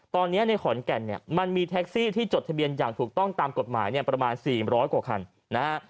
ตอนนี้ในขอนแก่นมีแท็กซี่ที่จดทะเบียนอย่างถูกต้องตามกฎหมายประมาณ๔๐๐กว่าคัน